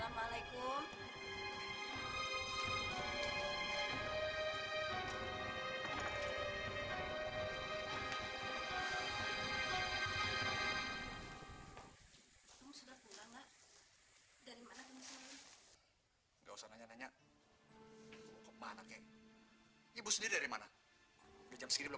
mereka turun ke dunia server kamu